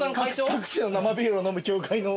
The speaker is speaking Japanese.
各地の生ビールを飲む協会の。